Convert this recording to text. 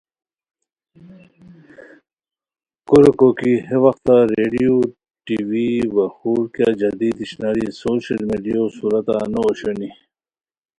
کوریکو کی ہے وختہ ریڈیو، ٹی وی وا خور کیہ جدید اشناری سوشل میڈیو صورتہ نو اوشونی